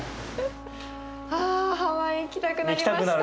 あハワイ行きたくなりました。